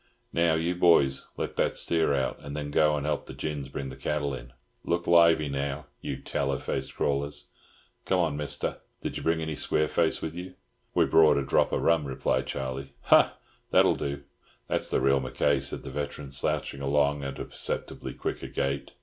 "Now, you boys, let that steer out, and then go and help the gins bring the cattle in. Look lively now, you tallow faced crawlers. Come on, Mister. Did you bring any square face with you?" "We brought a drop o' rum," replied Charlie. "Ha! That'll do. That's the real Mackay," said the veteran, slouching along at a perceptibly quicker gait.